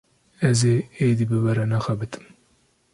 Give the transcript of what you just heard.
Ez ê êdî bi we re nexebitim.